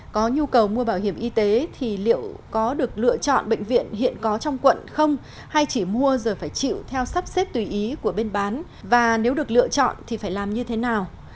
có nhu cầu mua bảo hiểm y tế thì liệu có được lựa chọn bệnh viện hiện có trong quận không hay chỉ mua rồi phải chịu theo sắp xếp tùy ý của bên bán và nếu được lựa chọn thì phải làm như thế nào